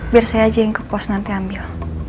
biar saya aja yang ke pos nanti ambil